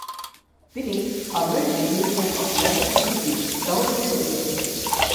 তিনি 'American Museum of Natural হিস্ট্রি'-র সহযোগী সদস্য ছিলেন।